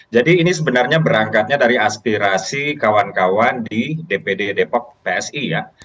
jadi ini sebenarnya berangkatnya dari aspirasi kawan kawan di dpd depok psi ya